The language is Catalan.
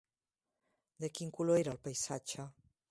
De quin color era el paisatge?